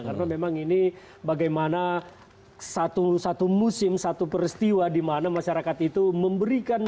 karena memang ini bagaimana satu musim satu peristiwa di mana masyarakat itu memberikan